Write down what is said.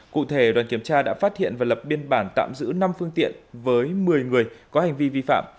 cụ thể đoàn kiểm tra đã phát hiện và lập biên bản tạm giữ năm phương tiện với một mươi người có hành vi vi phạm